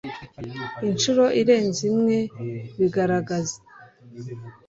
inshuro irenze imwe bigaragara